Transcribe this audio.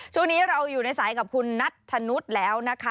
ช่วงนี้เราอยู่ในสายกับคุณนัทธนุษย์แล้วนะคะ